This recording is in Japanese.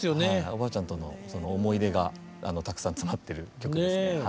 おばあちゃんとのその思い出がたくさん詰まってる曲ですね。